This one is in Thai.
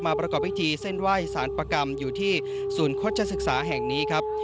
ประกอบพิธีเส้นไหว้สารประกรรมอยู่ที่ศูนย์โฆษศึกษาแห่งนี้ครับ